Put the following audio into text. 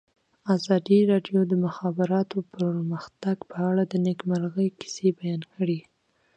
ازادي راډیو د د مخابراتو پرمختګ په اړه د نېکمرغۍ کیسې بیان کړې.